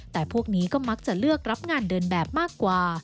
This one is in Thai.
แต่พวกนี้ก็มักจะเลือกรับงานเดินแบบมากกว่า